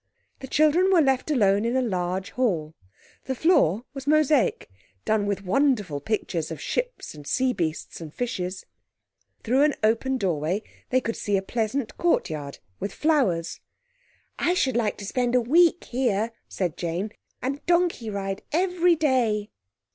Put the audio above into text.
The children were left alone in a large hall. The floor was mosaic, done with wonderful pictures of ships and sea beasts and fishes. Through an open doorway they could see a pleasant courtyard with flowers. "I should like to spend a week here," said Jane, "and donkey ride every day."